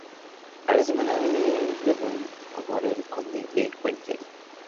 A la semana venidera fue reinaugurada por el Conde de Wessex.